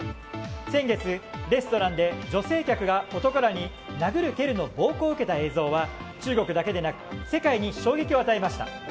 先月、レストランで女性客が男らに殴る蹴るの暴行を受けた映像は中国だけでなく世界に衝撃を与えました。